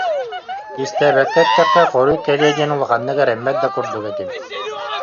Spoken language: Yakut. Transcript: Кистээбэккэ эттэххэ, хоруй кэлиэ диэн улаханнык эрэммэт да курдук этим